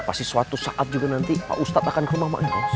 pasti suatu saat juga nanti pak ustadz akan ke rumah mak nekos